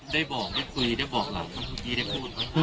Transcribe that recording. ได้บอกได้คุยได้บอกหลังได้พูดไหมครับ